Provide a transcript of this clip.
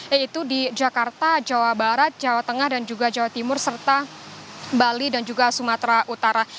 yaitu di jakarta jawa barat jawa tengah dan juga jawa timur serta bali dan juga sumatera utara